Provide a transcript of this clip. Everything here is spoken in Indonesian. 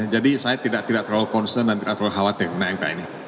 jadi saya tidak terlalu concern dan terlalu khawatir mengenai mk ini